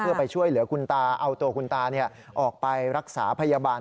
เพื่อไปช่วยเหลือคุณตาเอาตัวคุณตาออกไปรักษาพยาบาล